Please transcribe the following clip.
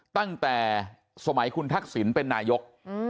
ตั้งแต่สมัยคุณทักษิณเป็นนายก